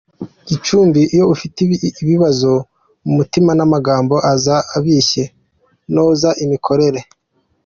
Gicumbi:“Iyo ufite ibibazo mu mutima n’amagambo aza abishye, noza imikorere”